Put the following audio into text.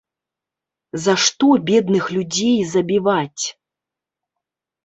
За што бедных людзей забіваць?